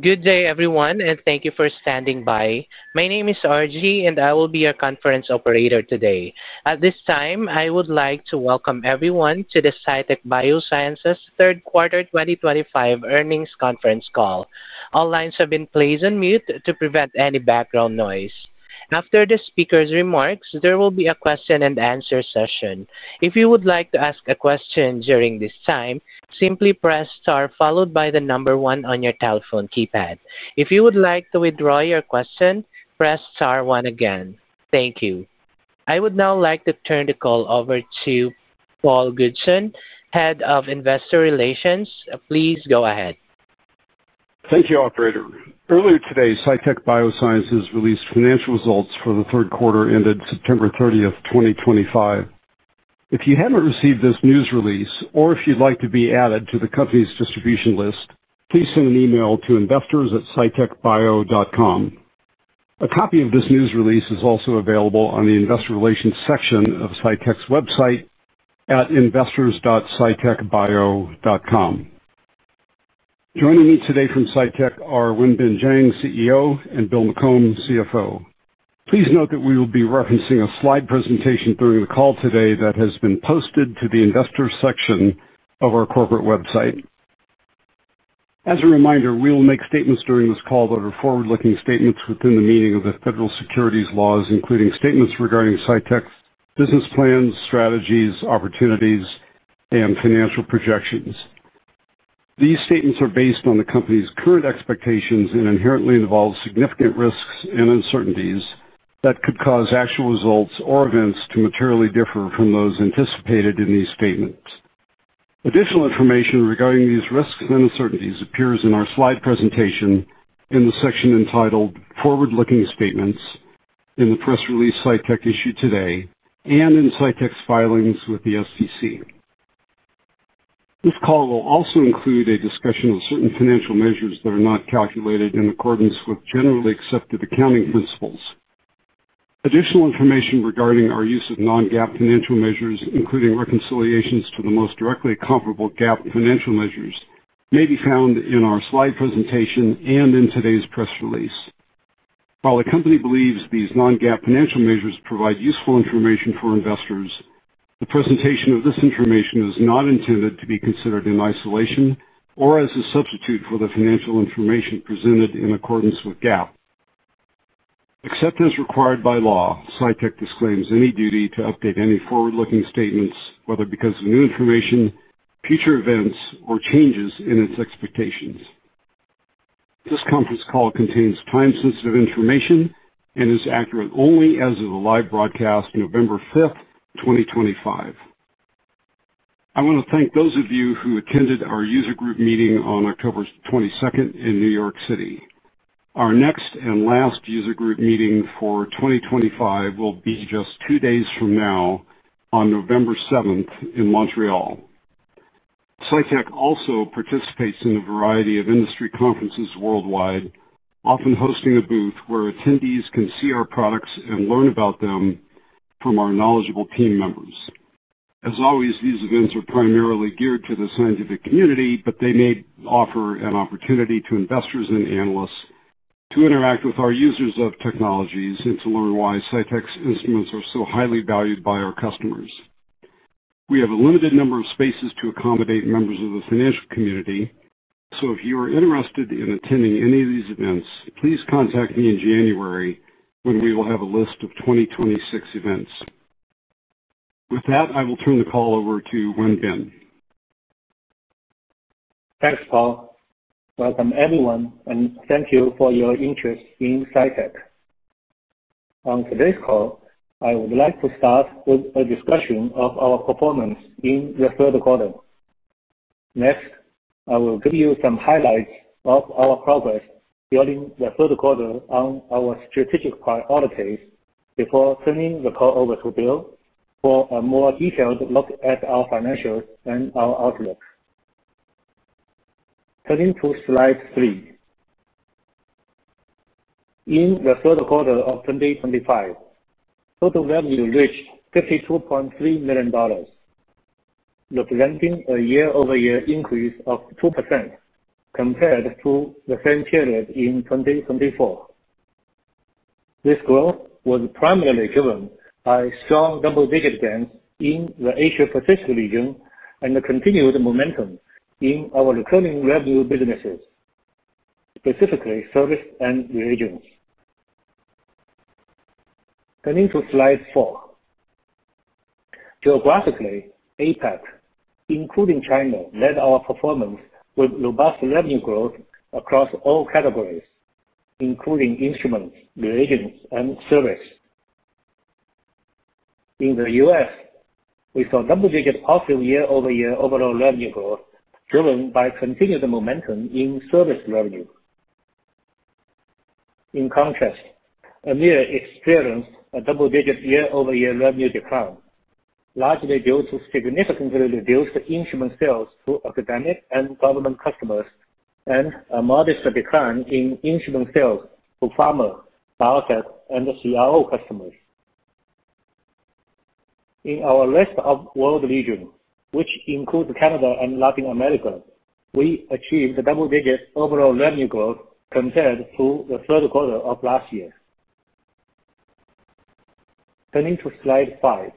Good day, everyone, and thank you for standing by. My name is Arjarie, and I will be your conference operator today. At this time, I would like to welcome everyone to the Cytek Biosciences Third Quarter 2025 Earnings Conference Call. All lines have been placed on mute to prevent any background noise. After the speaker's remarks, there will be a question-and-answer session. If you would like to ask a question during this time, simply press star followed by the number one on your telephone keypad. If you would like to withdraw your question, press star one again. Thank you. I would now like to turn the call over to Paul Goodson, Head of Investor Relations. Please go ahead. Thank you, Operator. Earlier today, Cytek Biosciences released financial results for the third quarter ended September 30th, 2025. If you haven't received this news release, or if you'd like to be added to the company's distribution list, please send an email to investors@cytekbio.com. A copy of this news release is also available on the Investor Relations section of Cytek's website at investors.cytekbio.com. Joining me today from Cytek are Wenbin Jiang, CEO, and Bill McCombe, CFO. Please note that we will be referencing a slide presentation during the call today that has been posted to the Investors section of our corporate website. As a reminder, we will make statements during this call that are forward-looking statements within the meaning of the federal securities laws, including statements regarding Cytek's business plans, strategies, opportunities, and financial projections. These statements are based on the company's current expectations and inherently involve significant risks and uncertainties that could cause actual results or events to materially differ from those anticipated in these statements. Additional information regarding these risks and uncertainties appears in our slide presentation in the section entitled Forward-Looking Statements in the press release Cytek issued today and in Cytek's filings with the SEC. This call will also include a discussion of certain financial measures that are not calculated in accordance with generally accepted accounting principles. Additional information regarding our use of non-GAAP financial measures, including reconciliations to the most directly comparable GAAP financial measures, may be found in our slide presentation and in today's press release. While the company believes these non-GAAP financial measures provide useful information for investors, the presentation of this information is not intended to be considered in isolation or as a substitute for the financial information presented in accordance with GAAP. Except as required by law, Cytek disclaims any duty to update any forward-looking statements, whether because of new information, future events, or changes in its expectations. This conference call contains time-sensitive information and is accurate only as of the live broadcast on November 5th, 2025. I want to thank those of you who attended our User Group Meeting on October 22nd in New York City. Our next and last User Group Meeting for 2025 will be just two days from now on November 7th in Montreal. Cytek also participates in a variety of industry conferences worldwide, often hosting a booth where attendees can see our products and learn about them from our knowledgeable team members. As always, these events are primarily geared to the scientific community, but they may offer an opportunity to investors and analysts to interact with our users of technologies and to learn why Cytek's instruments are so highly valued by our customers. We have a limited number of spaces to accommodate members of the financial community, so if you are interested in attending any of these events, please contact me in January when we will have a list of 2026 events. With that, I will turn the call over to Wenbin. Thanks, Paul. Welcome, everyone, and thank you for your interest in Cytek. On today's call, I would like to start with a discussion of our performance in the third quarter. Next, I will give you some highlights of our progress during the third quarter on our strategic priorities before turning the call over to Bill for a more detailed look at our financials and our outlook. Turning to slide three. In the third quarter of 2025, total revenue reached $52.3 million, representing a year-over-year increase of 2% compared to the same period in 2024. This growth was primarily driven by strong double-digit gains in the Asia-Pacific region and the continued momentum in our recurring revenue businesses, specifically service and reagents. Turning to slide four. Geographically, APAC, including China, led our performance with robust revenue growth across all categories, including instruments, reagents, and service. In the U.S., we saw double-digit positive year-over-year overall revenue growth driven by continued momentum in service revenue. In contrast, EMEA experienced a double-digit year-over-year revenue decline, largely due to significantly reduced instrument sales to academic and government customers and a modest decline in instrument sales to pharma, biotech, and CRO customers. In our Rest of World regions, which includes Canada and Latin America, we achieved double-digit overall revenue growth compared to the third quarter of last year. Turning to slide five.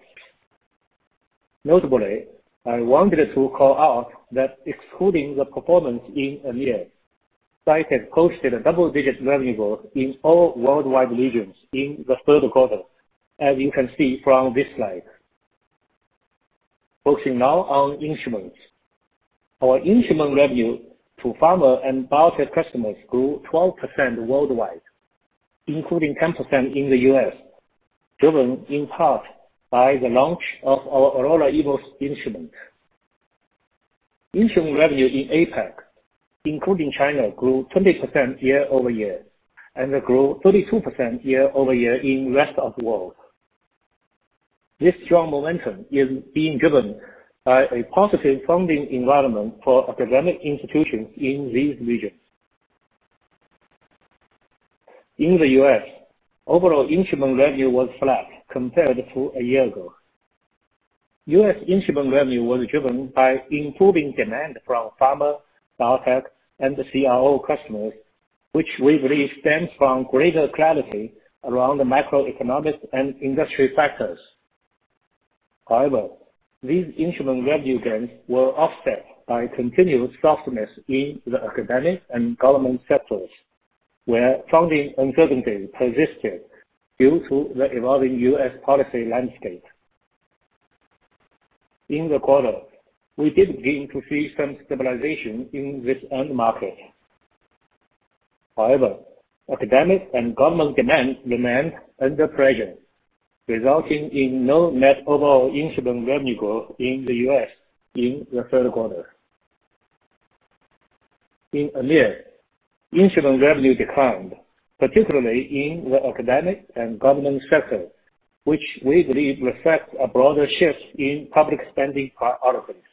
Notably, I wanted to call out that excluding the performance in EMEA, Cytek posted double-digit revenue growth in all worldwide regions in the third quarter, as you can see from this slide. Focusing now on instruments. Our instrument revenue to pharma and biotech customers grew 12% worldwide, including 10% in the U.S., driven in part by the launch of our Aurora Evo instrument. Instrument revenue in APAC, including China, grew 20% year-over-year and grew 32% year-over-year in the rest of the world. This strong momentum is being driven by a positive funding environment for academic institutions in these regions. In the U.S., overall instrument revenue was flat compared to a year ago. U.S. instrument revenue was driven by improving demand from pharma, biotech, and CRO customers, which we believe stems from greater clarity around the macroeconomic and industry factors. However, these instrument revenue gains were offset by continued softness in the academic and government sectors, where funding uncertainty persisted due to the evolving U.S. policy landscape. In the quarter, we did begin to see some stabilization in this end market. However, academic and government demand remained under pressure, resulting in no net overall instrument revenue growth in the U.S. in the third quarter. In EMEA, instrument revenue declined, particularly in the academic and government sectors, which we believe reflects a broader shift in public spending priorities.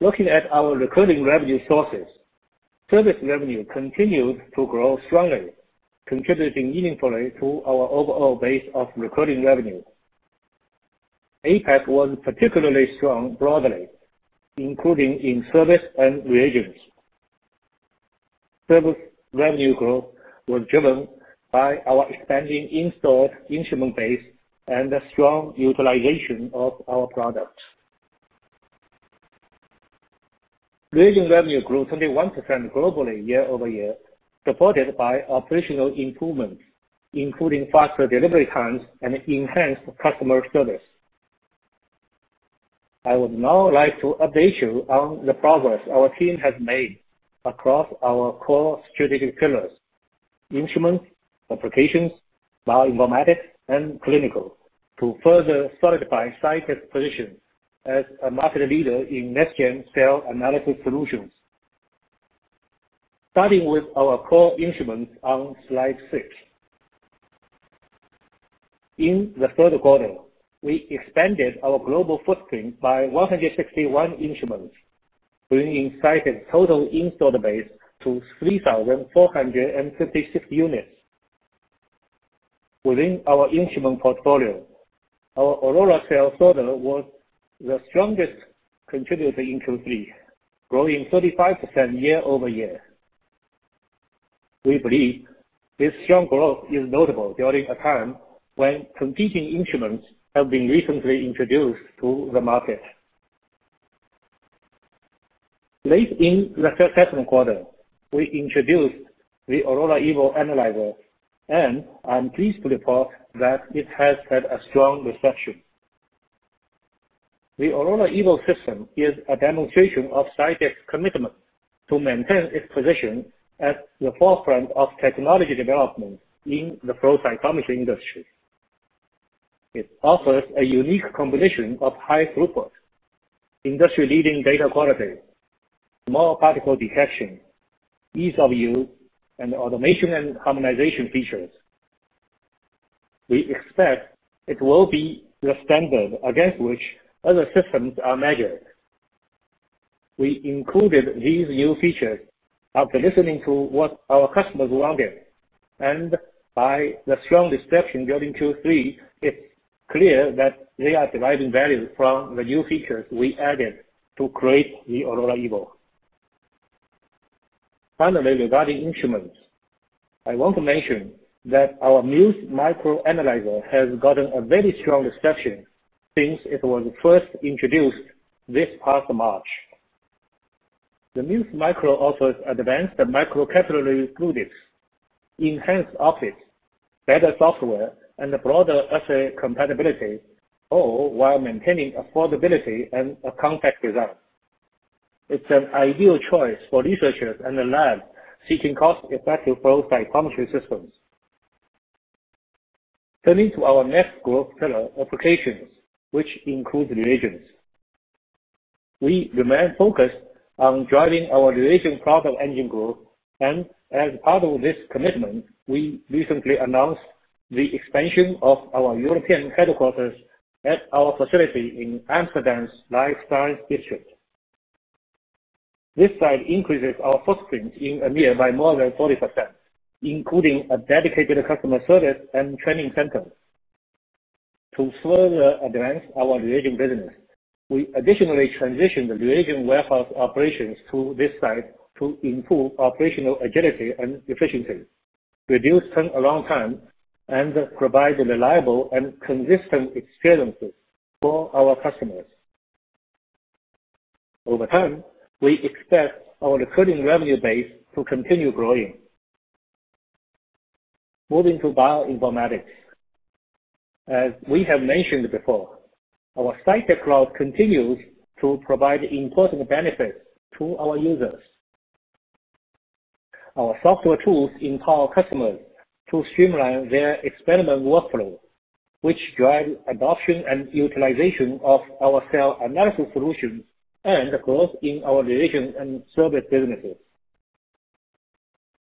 Looking at our recurring revenue sources, service revenue continued to grow strongly, contributing meaningfully to our overall base of recurring revenue. APAC was particularly strong broadly, including in service and reagents. Service revenue growth was driven by our expanding installed instrument base and strong utilization of our products. Reagent revenue grew 21% globally year-over-year, supported by operational improvements, including faster delivery times and enhanced customer service. I would now like to update you on the progress our team has made across our core strategic pillars: instruments, applications, bioinformatics, and clinical, to further solidify Cytek's position as a market leader in next-gen cell analysis solutions. Starting with our core instruments on slide six. In the third quarter, we expanded our global footprint by 161 instruments, bringing Cytek's total installed base to 3,456 units. Within our instrument portfolio, our Aurora cell sorter was the strongest contributor in Q3, growing 35% year-over-year. We believe this strong growth is notable during a time when competing instruments have been recently introduced to the market. Late in the second quarter, we introduced the Aurora Evo analyzer, and I'm pleased to report that it has had a strong reception. The Aurora Evo system is a demonstration of Cytek's commitment to maintain its position as the forefront of technology development in the flow cytometry industry. It offers a unique combination of high throughput, industry-leading data quality, small particle detection, ease of use, and automation and harmonization features. We expect it will be the standard against which other systems are measured. We included these new features after listening to what our customers wanted, and by the strong reception during Q3, it's clear that they are deriving value from the new features we added to create the Aurora Evo. Finally, regarding instruments, I want to mention that our Muse Micro Analyzer has gotten a very strong reception since it was first introduced this past March. The Muse Micro offers advanced microcapillary fluids, enhanced optics, better software, and broader assay compatibility, all while maintaining affordability and a compact design. It's an ideal choice for researchers and the lab seeking cost-effective flow cytometry systems. Turning to our next growth pillar, applications, which includes reagents. We remain focused on driving our reagent product engine growth, and as part of this commitment, we recently announced the expansion of our European headquarters at our facility in Amsterdam's Life Science District. This site increases our footprint in EMEA by more than 40%, including a dedicated customer service and training center. To further advance our reagent business, we additionally transitioned the reagent warehouse operations to this site to improve operational agility and efficiency, reduce turnaround time, and provide reliable and consistent experiences for our customers. Over time, we expect our recurring revenue base to continue growing. Moving to bioinformatics. As we have mentioned before, our Cytek Cloud continues to provide important benefits to our users. Our software tools empower customers to streamline their experiment workflow, which drives adoption and utilization of our cell analysis solutions and growth in our reagent and service businesses.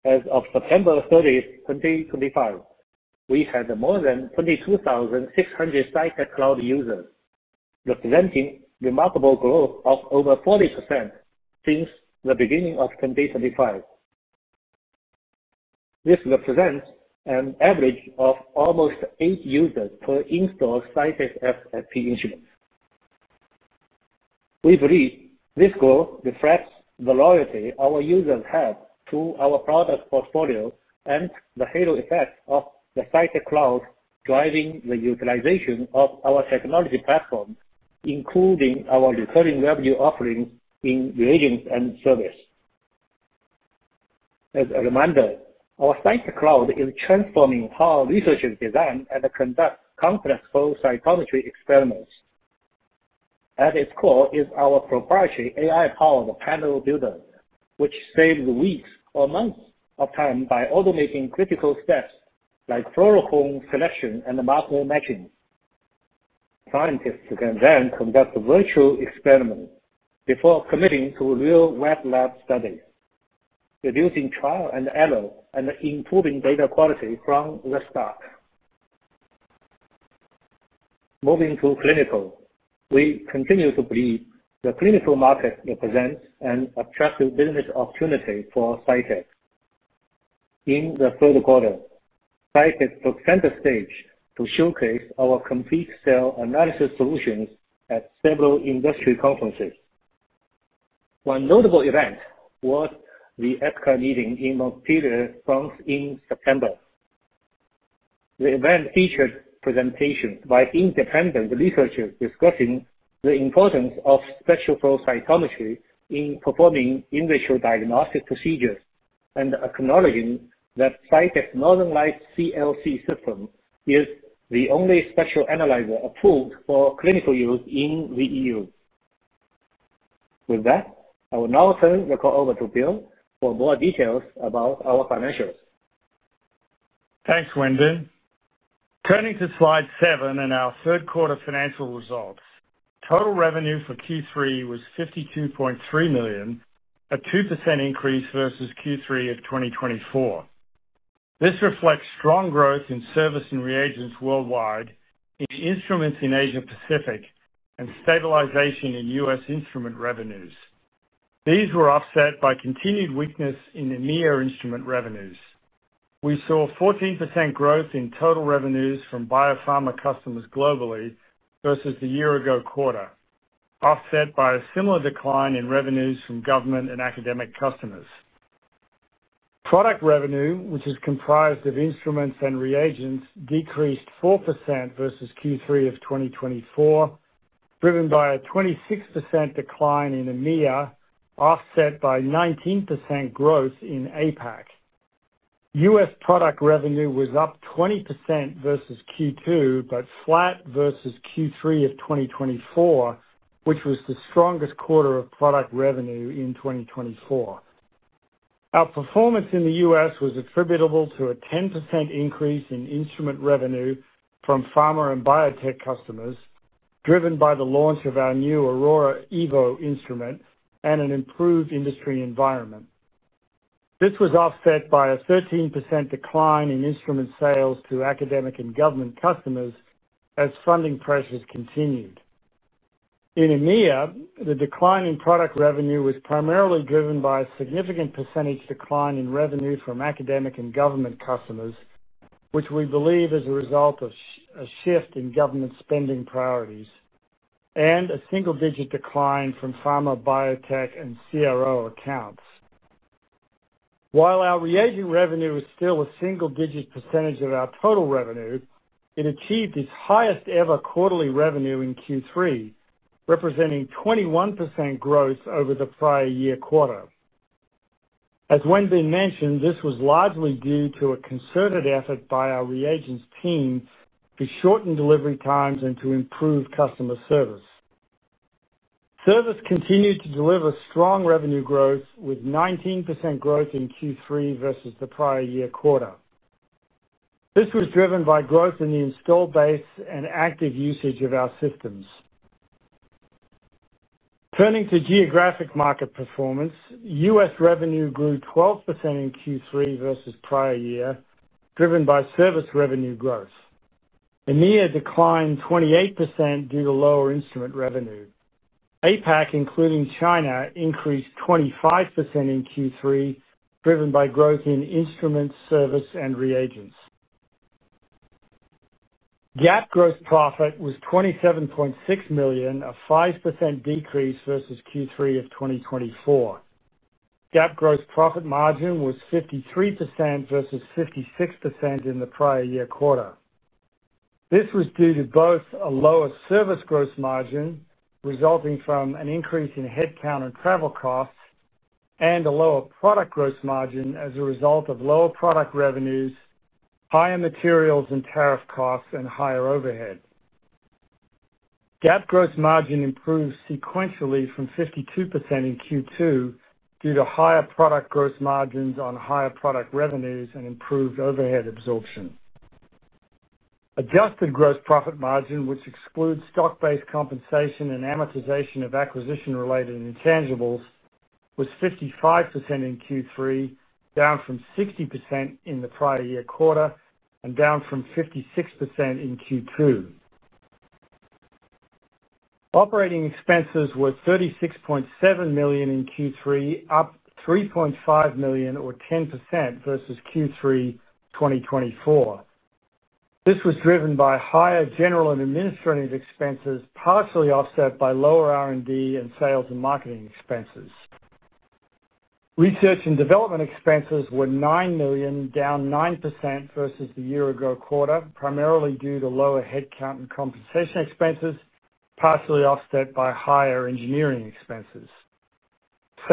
As of September 30th, 2025, we had more than 22,600 Cytek Cloud users, representing a remarkable growth of over 40% since the beginning of 2025. This represents an average of almost eight users per installed Cytek FSP instrument. We believe this growth reflects the loyalty our users have to our product portfolio and the halo effect of the Cytek Cloud driving the utilization of our technology platform, including our recurring revenue offerings in reagents and service. As a reminder, our Cytek Cloud is transforming how researchers design and conduct complex flow cytometry experiments. At its core is our proprietary AI-powered Panel Builder, which saves weeks or months of time by automating critical steps like fluorophore selection and marker matching. Scientists can then conduct virtual experiments before committing to real wet lab studies, reducing trial and error and improving data quality from the start. Moving to clinical, we continue to believe the clinical market represents an attractive business opportunity for Cytek. In the third quarter, Cytek took center stage to showcase our complete cell analysis solutions at several industry conferences. One notable event was the ESCCA meeting in Montpellier, France in September. The event featured presentations by independent researchers discussing the importance of spectral flow cytometry in performing in vitro diagnostic procedures and acknowledging that Cytek's Northern Lights-CLC system is the only spectral analyzer approved for clinical use in the EU. With that, I will now turn the call over to Bill for more details about our financials. Thanks, Wenbin. Turning to slide seven and our third quarter financial results, total revenue for Q3 was $52.3 million, a 2% increase versus Q3 of 2024. This reflects strong growth in service and reagents worldwide, in instruments in Asia-Pacific, and stabilization in U.S. instrument revenues. These were offset by continued weakness in EMEA instrument revenues. We saw 14% growth in total revenues from biopharma customers globally versus the year-ago quarter, offset by a similar decline in revenues from government and academic customers. Product revenue, which is comprised of instruments and reagents, decreased 4% versus Q3 of 2024, driven by a 26% decline in EMEA, offset by 19% growth in APAC. U.S. product revenue was up 20% versus Q2, but flat versus Q3 of 2024, which was the strongest quarter of product revenue in 2024. Our performance in the U.S. was attributable to a 10% increase in instrument revenue from pharma and biotech customers, driven by the launch of our new Aurora Evo instrument and an improved industry environment. This was offset by a 13% decline in instrument sales to academic and government customers as funding pressures continued. In EMEA, the decline in product revenue was primarily driven by a significant percentage decline in revenue from academic and government customers, which we believe is a result of a shift in government spending priorities and a single-digit decline from pharma, biotech, and CRO accounts. While our reagent revenue is still a single-digit percentage of our total revenue, it achieved its highest-ever quarterly revenue in Q3, representing 21% growth over the prior year quarter. As Wenbin mentioned, this was largely due to a concerted effort by our reagents team to shorten delivery times and to improve customer service. Service continued to deliver strong revenue growth, with 19% growth in Q3 versus the prior year quarter. This was driven by growth in the installed base and active usage of our systems. Turning to geographic market performance, U.S. revenue grew 12% in Q3 versus prior year, driven by service revenue growth. EMEA declined 28% due to lower instrument revenue. APAC, including China, increased 25% in Q3, driven by growth in instruments, service, and reagents. GAAP gross profit was $27.6 million, a 5% decrease versus Q3 of 2024. GAAP gross profit margin was 53% versus 56% in the prior year quarter. This was due to both a lower service gross margin resulting from an increase in headcount and travel costs and a lower product gross margin as a result of lower product revenues, higher materials and tariff costs, and higher overhead. GAAP gross margin improved sequentially from 52% in Q2 due to higher product gross margins on higher product revenues and improved overhead absorption. Adjusted gross profit margin, which excludes stock-based compensation and amortization of acquisition-related intangibles, was 55% in Q3, down from 60% in the prior year quarter and down from 56% in Q2. Operating expenses were $36.7 million in Q3, up $3.5 million, or 10% versus Q3 2024. This was driven by higher general and administrative expenses, partially offset by lower R&D and sales and marketing expenses. Research and development expenses were $9 million, down 9% versus the year-ago quarter, primarily due to lower headcount and compensation expenses, partially offset by higher engineering expenses.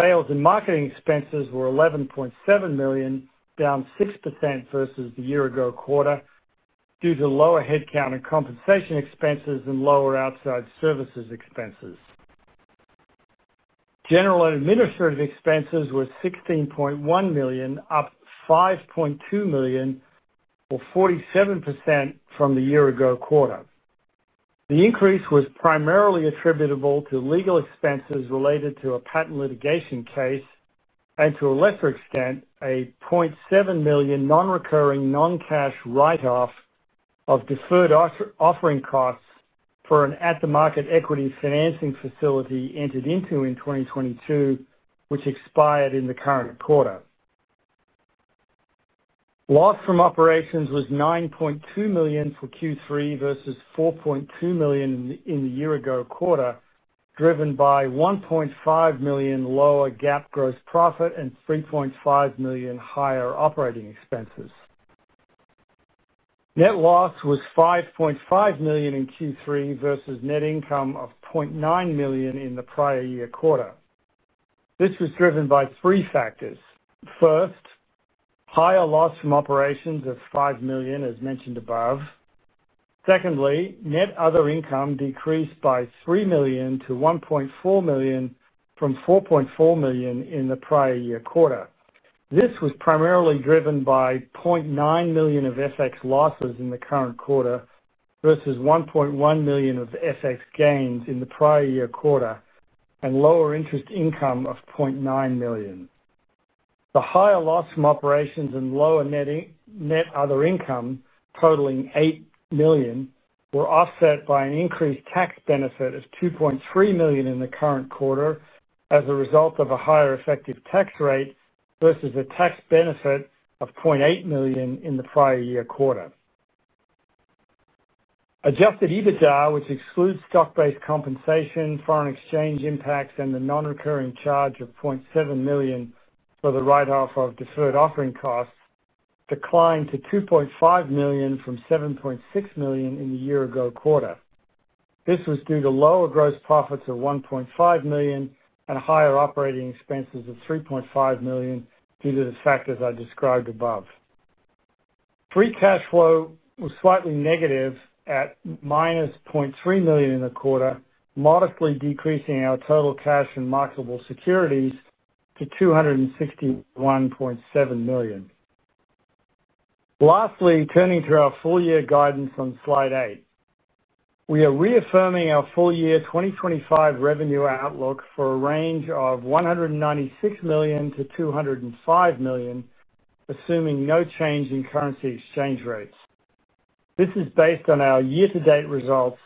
Sales and marketing expenses were $11.7 million, down 6% versus the year-ago quarter, due to lower headcount and compensation expenses and lower outside services expenses. General and administrative expenses were $16.1 million, up $5.2 million, or 47% from the year-ago quarter. The increase was primarily attributable to legal expenses related to a patent litigation case and, to a lesser extent, a $0.7 million non-recurring non-cash write-off of deferred offering costs for an at-the-market equity financing facility entered into in 2022, which expired in the current quarter. Loss from operations was $9.2 million for Q3 versus $4.2 million in the year-ago quarter, driven by $1.5 million lower GAAP gross profit and $3.5 million higher operating expenses. Net loss was $5.5 million in Q3 versus net income of $0.9 million in the prior year quarter. This was driven by three factors. First. Higher loss from operations of $5 million, as mentioned above. Secondly, net other income decreased by $3 million to $1.4 million from $4.4 million in the prior year quarter. This was primarily driven by $0.9 million of FX losses in the current quarter versus $1.1 million of FX gains in the prior year quarter and lower interest income of $0.9 million. The higher loss from operations and lower net other income, totaling $8 million, were offset by an increased tax benefit of $2.3 million in the current quarter as a result of a higher effective tax rate versus a tax benefit of $0.8 million in the prior year quarter. Adjusted EBITDA, which excludes stock-based compensation, foreign exchange impacts, and the non-recurring charge of $0.7 million for the write-off of deferred offering costs, declined to $2.5 million from $7.6 million in the year-ago quarter. This was due to lower gross profits of $1.5 million and higher operating expenses of $3.5 million due to the factors I described above. Free cash flow was slightly negative at minus $0.3 million in the quarter, modestly decreasing our total cash and marketable securities to $261.7 million. Lastly, turning to our full-year guidance on slide eight. We are reaffirming our full-year 2025 revenue outlook for a range of $196 million-$205 million, assuming no change in currency exchange rates. This is based on our year-to-date results,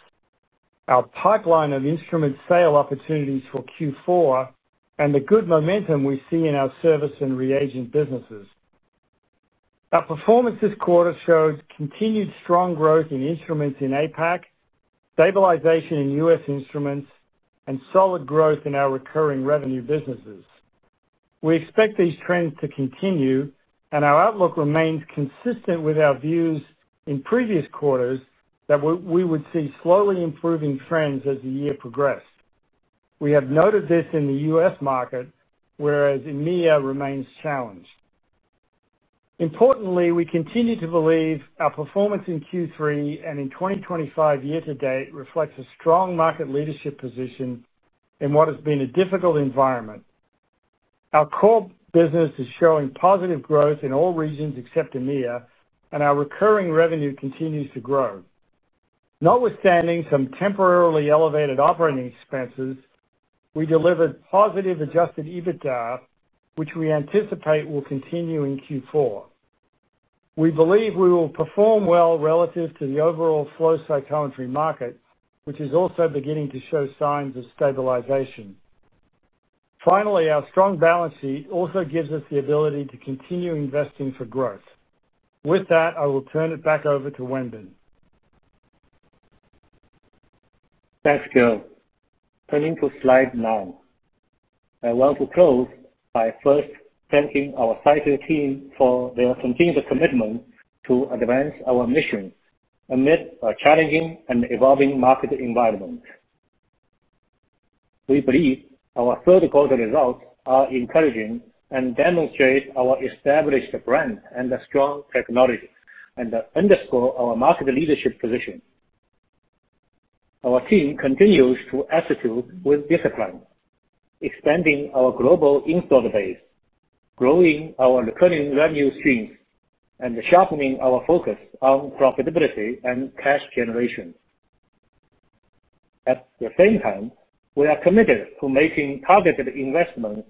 our pipeline of instrument sale opportunities for Q4, and the good momentum we see in our service and reagent businesses. Our performance this quarter showed continued strong growth in instruments in APAC, stabilization in U.S. instruments, and solid growth in our recurring revenue businesses. We expect these trends to continue, and our outlook remains consistent with our views in previous quarters that we would see slowly improving trends as the year progressed. We have noted this in the U.S. market, whereas EMEA remains challenged. Importantly, we continue to believe our performance in Q3 and in 2025 year-to-date reflects a strong market leadership position in what has been a difficult environment. Our core business is showing positive growth in all regions except EMEA, and our recurring revenue continues to grow. Notwithstanding some temporarily elevated operating expenses, we delivered positive adjusted EBITDA, which we anticipate will continue in Q4. We believe we will perform well relative to the overall flow cytometry market, which is also beginning to show signs of stabilization. Finally, our strong balance sheet also gives us the ability to continue investing for growth. With that, I will turn it back over to Wenbin. Thanks, Bill. Turning to slide nine. I want to close by first thanking our Cytek team for their continued commitment to advance our mission amid a challenging and evolving market environment. We believe our third-quarter results are encouraging and demonstrate our established brand and strong technology, and underscore our market leadership position. Our team continues to execute with discipline, expanding our global installed base, growing our recurring revenue streams, and sharpening our focus on profitability and cash generation. At the same time, we are committed to making targeted investments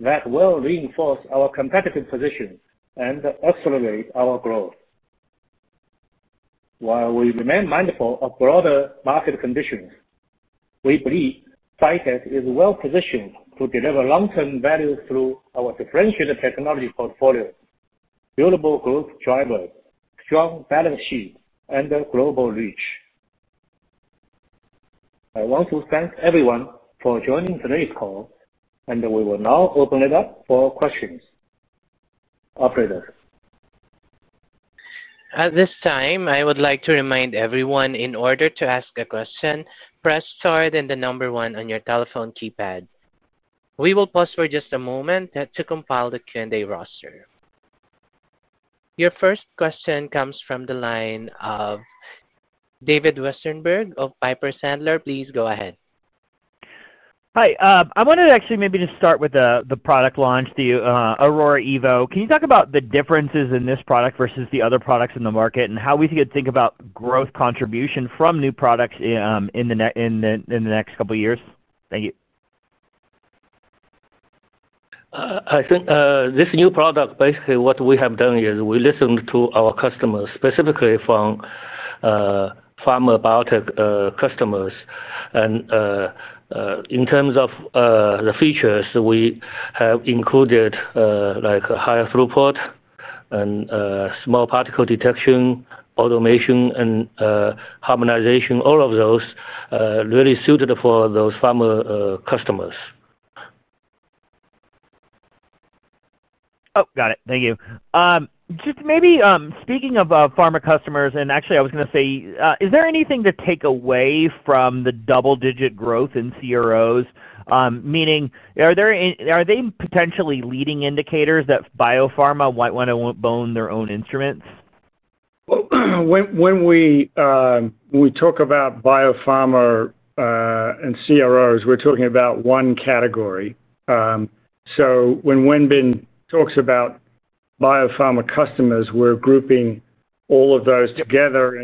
that will reinforce our competitive position and accelerate our growth. While we remain mindful of broader market conditions, we believe Cytek is well-positioned to deliver long-term value through our differentiated technology portfolio, durable growth drivers, strong balance sheet, and global reach. I want to thank everyone for joining today's call, and we will now open it up for questions. Operator? At this time, I would like to remind everyone, in order to ask a question, press star and the number one on your telephone keypad. We will pause for just a moment to compile the Q&A roster. Your first question comes from the line of David Westenberg of Piper Sandler. Please go ahead. Hi. I wanted to actually maybe just start with the product launch to you, Aurora Evo. Can you talk about the differences in this product versus the other products in the market and how we could think about growth contribution from new products in the next couple of years? Thank you. I think this new product, basically what we have done is we listened to our customers, specifically from pharma and biotech customers. In terms of the features, we have included higher throughput and small particle detection, automation, and harmonization. All of those really suited for those pharma customers. Oh, got it. Thank you. Just maybe speaking of pharma customers, and actually, I was going to say, is there anything to take away from the double-digit growth in CROs? Meaning, are they potentially leading indicators that biopharma might want to own their own instruments? When we talk about biopharma and CROs, we're talking about one category. When Wenbin talks about biopharma customers, we're grouping all of those together.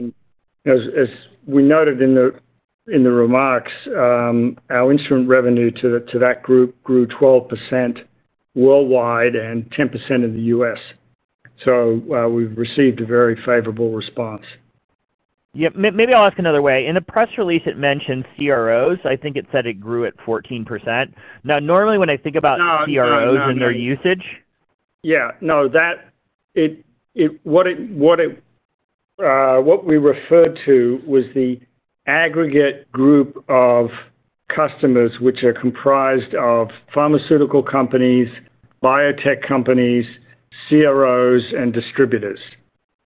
As we noted in the remarks, our instrument revenue to that group grew 12% worldwide and 10% in the U.S. We have received a very favorable response. Yeah. Maybe I'll ask another way. In the press release, it mentioned CROs. I think it said it grew at 14%. Now, normally, when I think about CROs and their usage. Yeah. No. What we referred to was the aggregate group of customers, which are comprised of pharmaceutical companies, biotech companies, CROs, and distributors.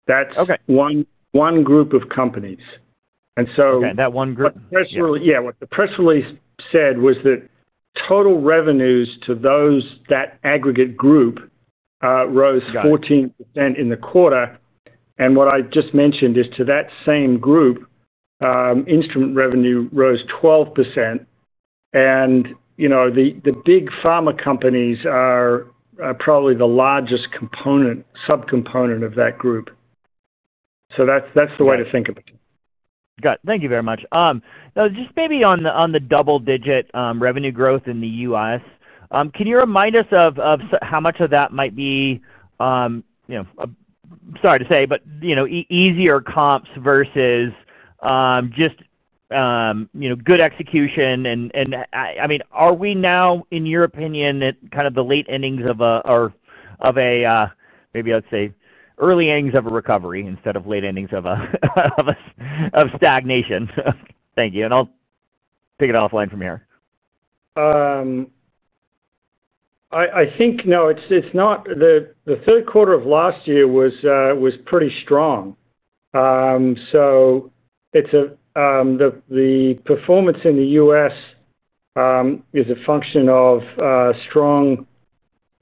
That's one group of companies. And so. Okay. That one group. Yeah. What the press release said was that total revenues to that aggregate group rose 14% in the quarter. What I just mentioned is to that same group, instrument revenue rose 12%. The big pharma companies are probably the largest subcomponent of that group. That's the way to think of it. Got it. Thank you very much. Now, just maybe on the double-digit revenue growth in the U.S., can you remind us of how much of that might be, sorry to say, but easier comps versus just good execution? I mean, are we now, in your opinion, at kind of the late endings of, maybe I would say, early endings of a recovery instead of late endings of stagnation? Thank you. I'll pick it offline from here. I think no. The third quarter of last year was pretty strong. The performance in the U.S. is a function of strong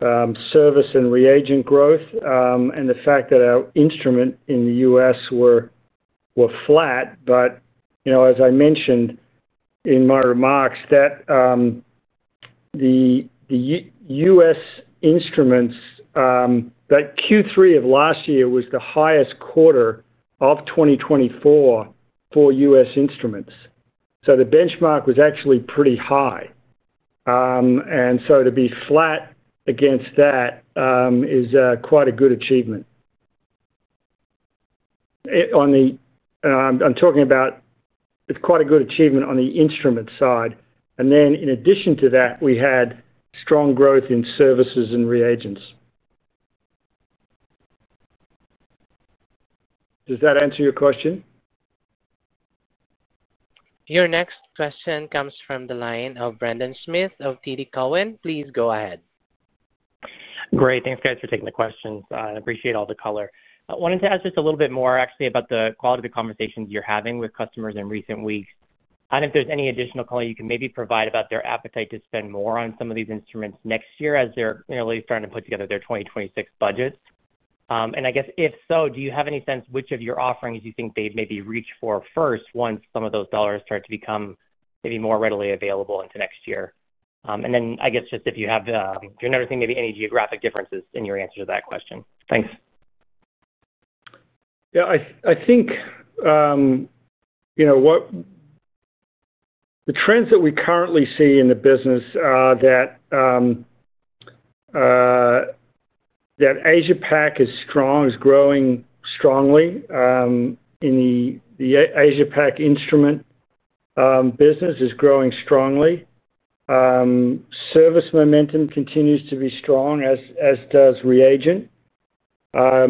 service and reagent growth and the fact that our instrument in the U.S. were flat. As I mentioned in my remarks, the U.S. instruments, that Q3 of last year was the highest quarter of 2024 for U.S. instruments. The benchmark was actually pretty high. To be flat against that is quite a good achievement. I'm talking about, it's quite a good achievement on the instrument side. In addition to that, we had strong growth in services and reagents. Does that answer your question? Your next question comes from the line of Brendan Smith of TD Cowen. Please go ahead. Great. Thanks, guys, for taking the questions. I appreciate all the color. I wanted to ask just a little bit more, actually, about the quality of the conversations you're having with customers in recent weeks. If there's any additional color you can maybe provide about their appetite to spend more on some of these instruments next year as they're really starting to put together their 2026 budget. I guess, if so, do you have any sense which of your offerings you think they'd maybe reach for first once some of those dollars start to become maybe more readily available into next year? I guess, just if you're noticing maybe any geographic differences in your answer to that question. Thanks. Yeah. I think the trends that we currently see in the business are that Asia-Pac is strong, is growing strongly. The Asia-Pac instrument business is growing strongly. Service momentum continues to be strong, as does reagent. As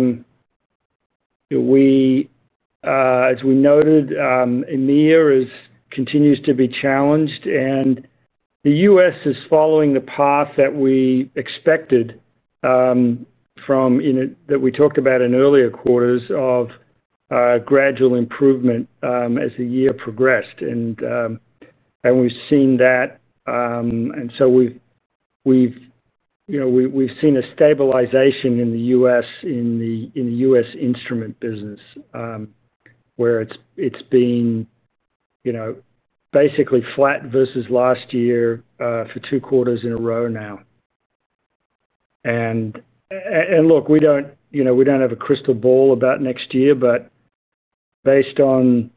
we noted, EMEA continues to be challenged. The U.S. is following the path that we expected, that we talked about in earlier quarters of gradual improvement as the year progressed. We've seen that. We've seen a stabilization in the U.S. instrument business, where it's been basically flat versus last year for two quarters in a row now. Look, we don't have a crystal ball about next year, but based on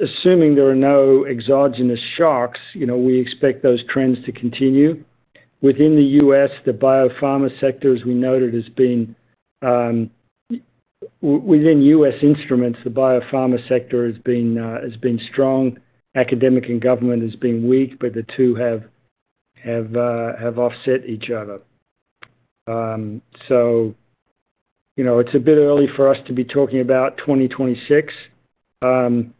assuming there are no exogenous shocks, we expect those trends to continue. Within the U.S., the biopharma sector, as we noted, has been—within U.S. instruments, the biopharma sector has been strong. Academic and government has been weak, but the two have offset each other. It is a bit early for us to be talking about 2026. The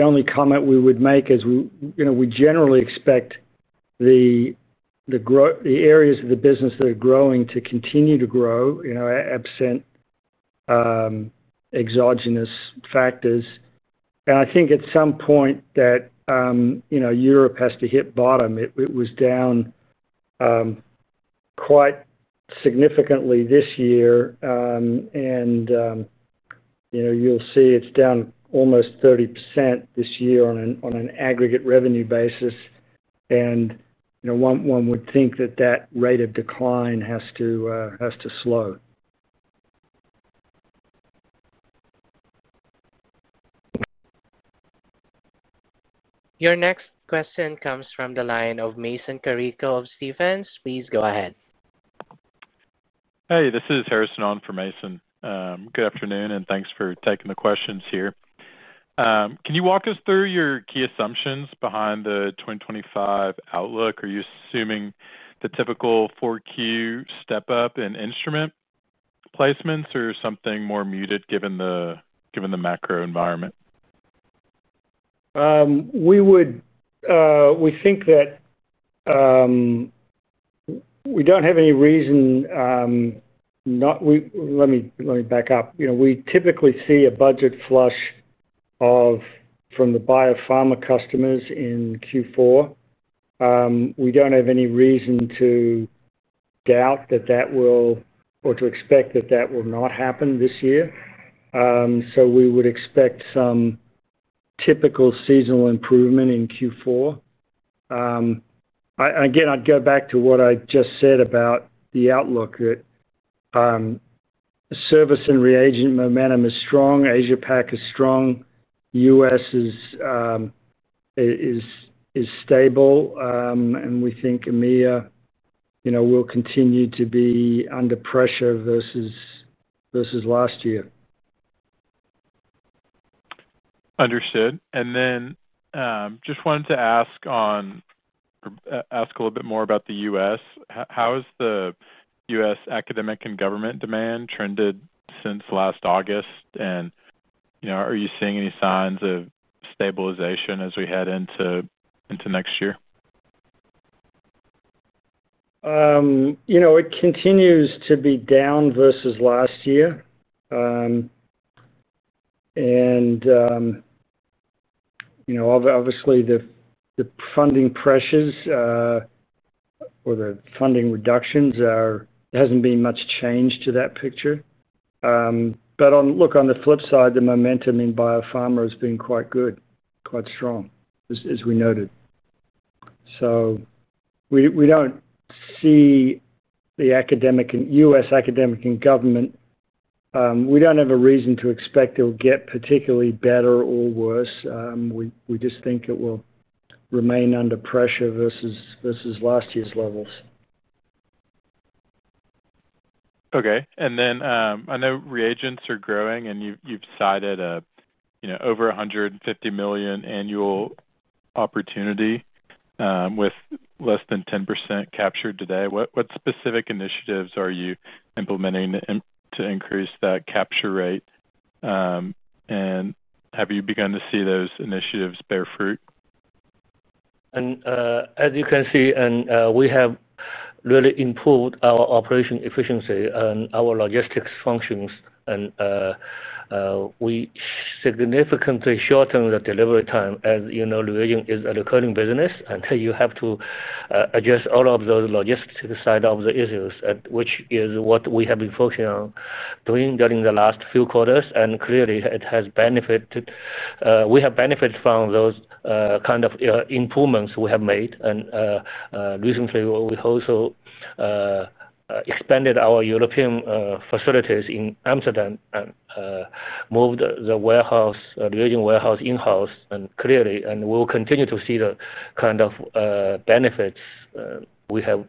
only comment we would make is we generally expect the areas of the business that are growing to continue to grow absent exogenous factors. I think at some point that Europe has to hit bottom. It was down quite significantly this year. You will see it is down almost 30% this year on an aggregate revenue basis. One would think that that rate of decline has to slow. Your next question comes from the line of Mason Carrico of Stephens. Please go ahead. Hey, this is Harrison on for Mason. Good afternoon, and thanks for taking the questions here. Can you walk us through your key assumptions behind the 2025 outlook? Are you assuming the typical 4Q step-up in instrument placements or something more muted given the macro environment? We think that. We do not have any reason. Let me back up. We typically see a budget flush from the biopharma customers in Q4. We do not have any reason to doubt that that will or to expect that that will not happen this year. We would expect some typical seasonal improvement in Q4. Again, I would go back to what I just said about the outlook. Service and reagent momentum is strong. Asia-Pac is strong. U.S. is stable. We think EMEA will continue to be under pressure versus last year. Understood. Just wanted to ask a little bit more about the U.S. How has the U.S. academic and government demand trended since last August? Are you seeing any signs of stabilization as we head into next year? It continues to be down versus last year. Obviously, the funding pressures or the funding reductions, there hasn't been much change to that picture. Look, on the flip side, the momentum in biopharma has been quite good, quite strong, as we noted. We do not see the U.S. academic and government. We do not have a reason to expect it will get particularly better or worse. We just think it will remain under pressure versus last year's levels. Okay. I know reagents are growing, and you've cited over $150 million annual opportunity, with less than 10% captured today. What specific initiatives are you implementing to increase that capture rate? Have you begun to see those initiatives bear fruit? As you can see, we have really improved our operation efficiency and our logistics functions. We significantly shortened the delivery time. As you know, reagent is a recurring business, and you have to adjust all of those logistics side of the issues, which is what we have been focusing on doing during the last few quarters. Clearly, it has benefited. We have benefited from those kind of improvements we have made. Recently, we also expanded our European facilities in Amsterdam and moved the reagent warehouse in-house. Clearly, we'll continue to see the kind of benefits we have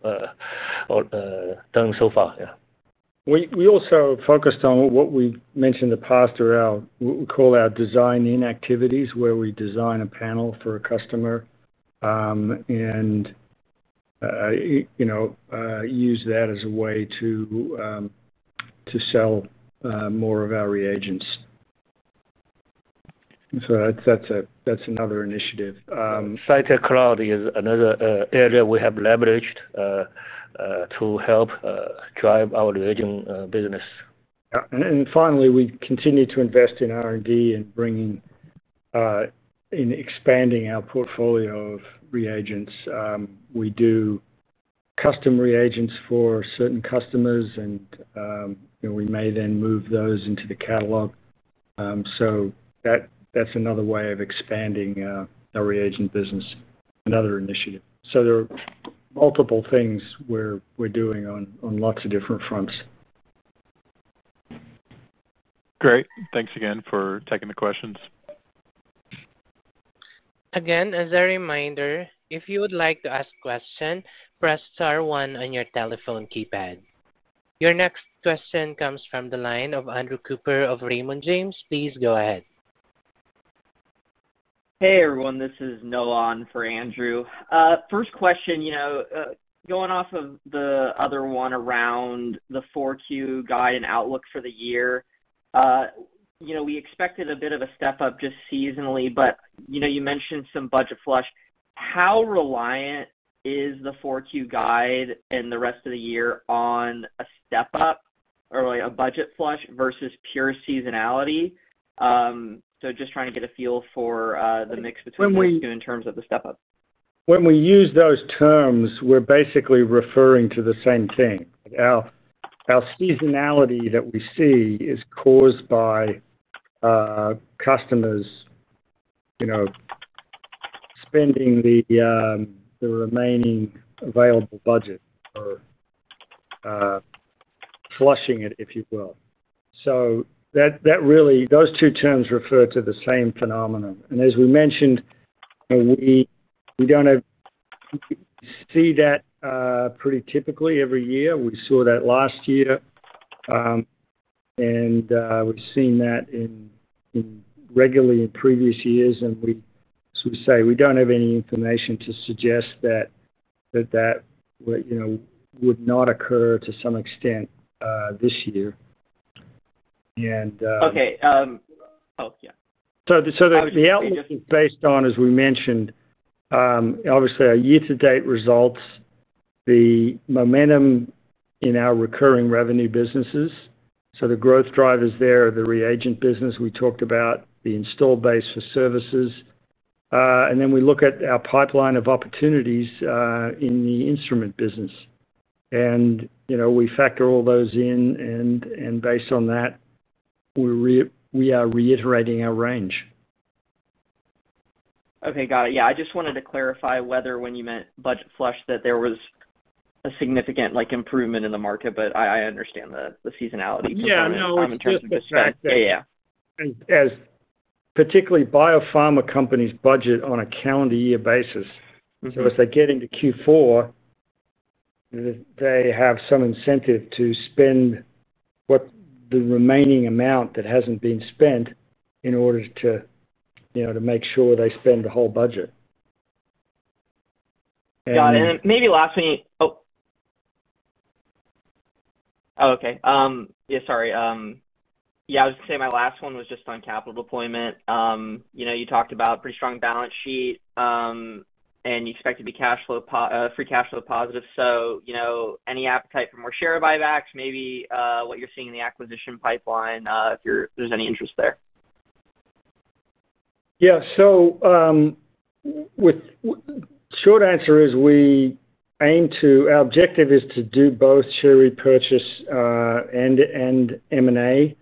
done so far. We also focused on what we mentioned in the past around what we call our design-in activities, where we design a panel for a customer. We use that as a way to sell more of our reagents. So that's another initiative. Cytek Cloud is another area we have leveraged to help drive our reagent business. Finally, we continue to invest in R&D and expanding our portfolio of reagents. We do custom reagents for certain customers, and we may then move those into the catalog. That's another way of expanding our reagent business, another initiative. There are multiple things we're doing on lots of different fronts. Great. Thanks again for taking the questions. Again, as a reminder, if you would like to ask a question, press star one on your telephone keypad. Your next question comes from the line of Andrew Cooper of Raymond James. Please go ahead. Hey, everyone. This is Noah on for Andrew. First question. Going off of the other one around the 4Q guide and outlook for the year. We expected a bit of a step-up just seasonally, but you mentioned some budget flush. How reliant is the 4Q guide and the rest of the year on a step-up or a budget flush versus pure seasonality? Just trying to get a feel for the mix between the two in terms of the step-up. When we use those terms, we're basically referring to the same thing. Our seasonality that we see is caused by customers spending the remaining available budget or flushing it, if you will. Those two terms refer to the same phenomenon. As we mentioned, we don't see that pretty typically every year. We saw that last year, and we've seen that regularly in previous years. As we say, we don't have any information to suggest that would not occur to some extent this year. Okay. Oh, yeah. The outlook is based on, as we mentioned, obviously, our year-to-date results, the momentum in our recurring revenue businesses. The growth drivers there, the reagent business we talked about, the installed base for services. Then we look at our pipeline of opportunities in the instrument business. We factor all those in. Based on that, we are reiterating our range. Okay. Got it. Yeah. I just wanted to clarify whether when you meant budget flush that there was a significant improvement in the market, but I understand the seasonality component in terms of distress. Yeah. No. Yeah, yeah. Particularly biopharma companies' budget on a calendar year basis. As they get into Q4, they have some incentive to spend the remaining amount that hasn't been spent in order to make sure they spend the whole budget. Got it. Maybe last thing, oh, oh, okay. Yeah, sorry. I was going to say my last one was just on capital deployment. You talked about a pretty strong balance sheet. You expect to be free cash flow positive. Any appetite for more share buybacks, maybe what you are seeing in the acquisition pipeline, if there is any interest there? Yeah. Short answer is we aim to, our objective is to do both share repurchase and M&A.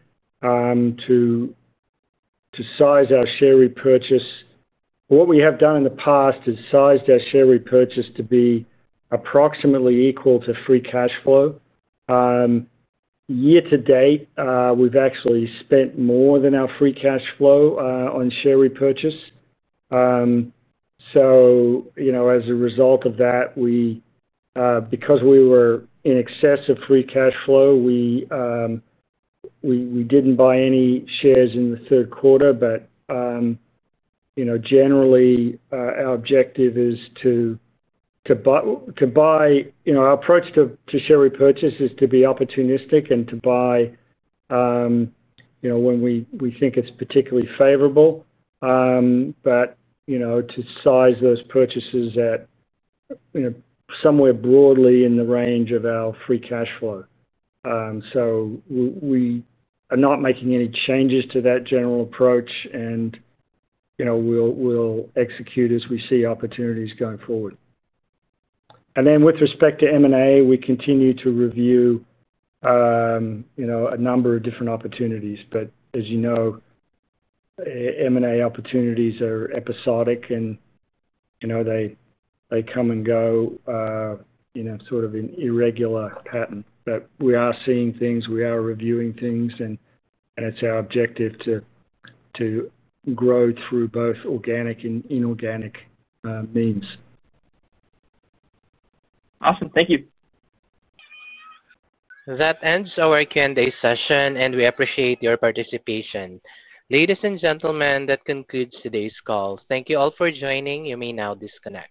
To size our share repurchase, what we have done in the past is sized our share repurchase to be approximately equal to free cash flow. Year-to-date, we've actually spent more than our free cash flow on share repurchase. As a result of that, because we were in excess of free cash flow, we didn't buy any shares in the third quarter. Generally, our objective is to buy. Our approach to share repurchase is to be opportunistic and to buy when we think it's particularly favorable, but to size those purchases at somewhere broadly in the range of our free cash flow. We are not making any changes to that general approach, and we'll execute as we see opportunities going forward. With respect to M&A, we continue to review a number of different opportunities. As you know, M&A opportunities are episodic, and they come and go in sort of an irregular pattern. We are seeing things, we are reviewing things, and it's our objective to grow through both organic and inorganic means. Awesome. Thank you. That ends our Q&A session, and we appreciate your participation. Ladies and gentlemen, that concludes today's call. Thank you all for joining. You may now disconnect.